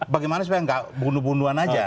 bagaimana supaya gak bunuh bunduhan aja